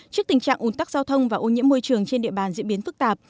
trước tình trạng ủn tắc giao thông và ô nhiễm môi trường trên địa bàn diễn biến phức tạp